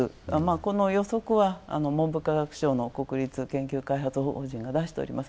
この予測は文部科学省の国立研究開発法人が出しております。